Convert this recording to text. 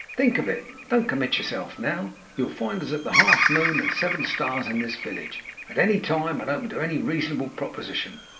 Think of it. Don't commit yourself now. You'll find us at the Half Moon and Seven Stars in this village, at any time, and open to any reasonable proposition.